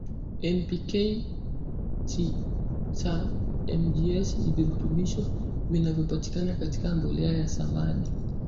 N P K Ca Mgs ni virutubisho vinavyopatikana katika mbolea ya samadi